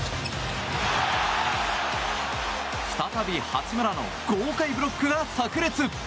再び八村の豪快ブロックが炸裂。